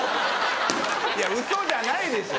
いやウソじゃないでしょ。